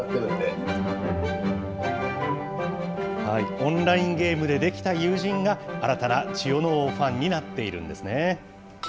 オンラインゲームで出来た友人が、新たな千代ノ皇ファンになっているんですね。